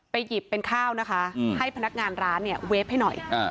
หยิบเป็นข้าวนะคะให้พนักงานร้านเนี่ยเวฟให้หน่อย